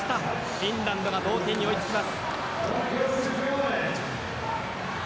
フィンランドが同点に追いつきます。